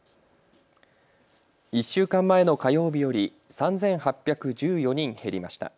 １週間前の火曜日より３８１４人減りました。